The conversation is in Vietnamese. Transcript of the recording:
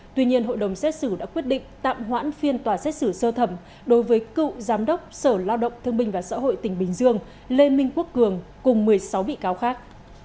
tuy nhiên hội đồng xét xử đã quyết định tạm hoãn phiên tòa xét xử sơ thẩm đối với cựu giám đốc sở lao động thương binh và xã hội tỉnh bình dương lê minh quốc cường cùng một mươi sáu bị cáo khác